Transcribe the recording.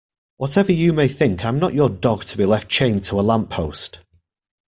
Whatever you may think I'm not your dog to be left chained to a lamppost.